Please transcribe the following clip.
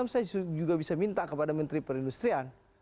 saya juga bisa minta kepada menteri perindustrian